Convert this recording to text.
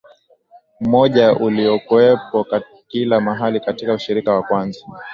mmoja uliokuwepo kila mahali Katika ushirika wa kwanza